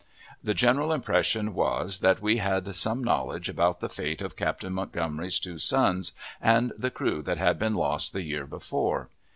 The general impression was, that we had some knowledge about the fate of Captain Montgomery's two sons and the crew that had been lost the year before.